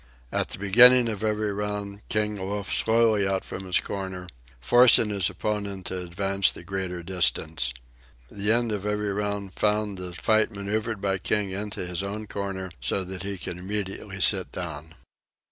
At the beginning of every round King loafed slowly out from his corner, forcing his opponent to advance the greater distance. The end of every round found the fight manoeuvred by King into his own corner so that he could immediately sit down.